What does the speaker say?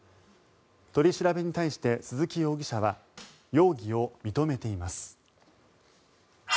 取り調べに対して鈴木容疑者は容疑を認めています。